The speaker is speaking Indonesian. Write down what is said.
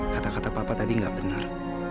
kata kata papa tadi nggak benar